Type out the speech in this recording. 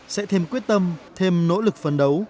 sẽ thêm quyết tâm thêm nỗ lực phấn đấu